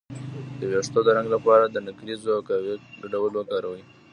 د ویښتو د رنګ لپاره د نکریزو او قهوې ګډول وکاروئ